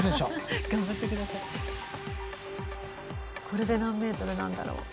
これで何ｍなんだろう。